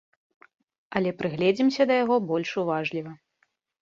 Але прыгледзімся да яго больш уважліва.